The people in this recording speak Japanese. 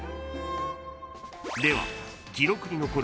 ［では記録に残る］